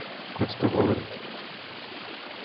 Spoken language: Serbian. Ко ти то говори?